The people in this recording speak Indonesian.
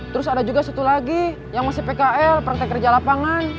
terus ada juga satu lagi yang masih pkl praktek kerja lapangan